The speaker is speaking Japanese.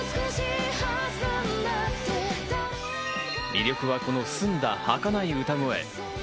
魅力はこの澄んだはかない歌声。